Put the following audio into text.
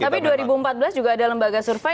tapi dua ribu empat belas juga ada lembaga survei